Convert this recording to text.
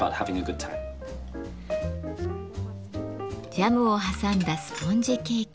ジャムを挟んだスポンジケーキ。